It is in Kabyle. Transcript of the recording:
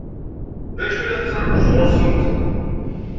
D acu i la tettṛaǧu sɣur-sent?